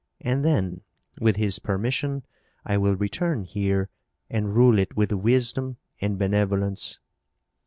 And then, with his permission, I will return here and rule it with wisdom and benevolence.